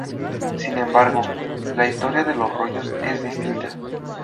Sin embargo, la historia de los rollos es distinta.